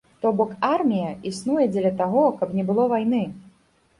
То бок, армія існуе дзеля таго, каб не было вайны.